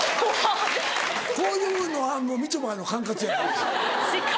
こういうのはもうみちょぱの管轄やから。